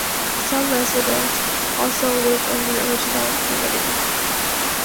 Some residents also live in the original community.